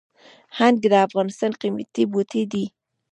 هنګ د افغانستان قیمتي بوټی دی